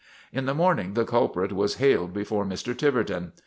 In the morning the culprit was haled before Mr. Tiverton.